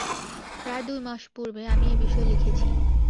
প্রায় দু-মাস পূর্বে আমি এ-বিষয়ে লিখেছি।